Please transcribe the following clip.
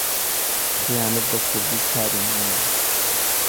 خەیانەت بە کورد کاری من نییە.